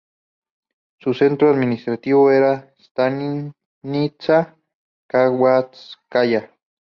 Su centro administrativo era la "stanitsa" Kavkázskaya.